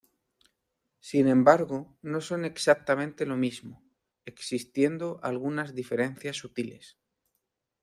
Sin embargo, no son exactamente lo mismo existiendo algunas diferencias sutiles.